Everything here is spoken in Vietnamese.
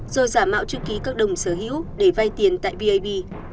rồi giả mạo chữ ký các đồng sở hữu để vai tiền tại vip